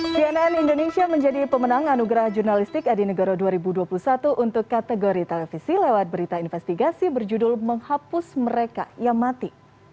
cnn indonesia menjadi pemenang anugerah jurnalistik adi negoro dua ribu dua puluh satu untuk kategori televisi lewat berita investigasi berjudul menghapus mereka yang mati